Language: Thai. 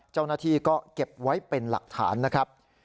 เจ้าหน้าที่ก็เก็บไว้เป็นหลักฐานนะครับ